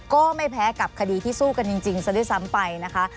ก็ไม่แพ้กับคดีที่สู้กันจริงซะด้วยซ้ำไปนะคะ